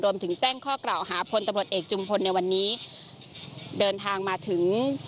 แจ้งข้อกล่าวหาพลตำรวจเอกจุมพลในวันนี้เดินทางมาถึง